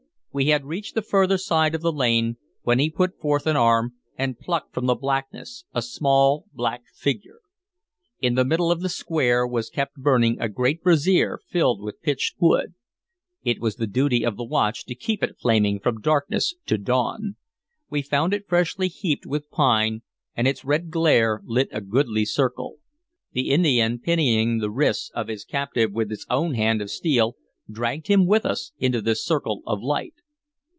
We had reached the further side of the lane, when he put forth an arm and plucked from the blackness a small black figure. In the middle of the square was kept burning a great brazier filled with pitched wood. It was the duty of the watch to keep it flaming from darkness to dawn. We found it freshly heaped with pine, and its red glare lit a goodly circle. The Indian, pinioning the wrists of his captive with his own hand of steel, dragged him with us into this circle of light.